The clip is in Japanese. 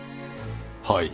はい。